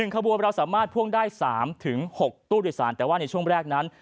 ขบวนเราสามารถพ่วงได้๓๖ตู้โดยสารแต่ว่าในช่วงแรกนั้น